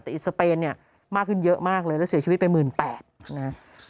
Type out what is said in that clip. แต่อีกสเปนเนี่ยมากขึ้นเยอะมากเลยแล้วเสียชีวิตไป๑๘๐๐นะฮะ